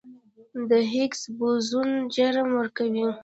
د هیګز بوزون جرم ورکوي.